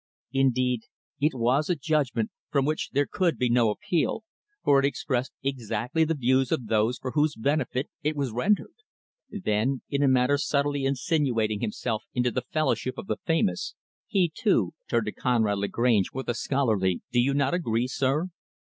Indeed it was a judgment from which there could be no appeal, for it expressed exactly the views of those for whose benefit it was rendered. Then, in a manner subtly insinuating himself into the fellowship of the famous, he, too, turned to Conrad Lagrange with a scholarly; "Do you not agree, sir?"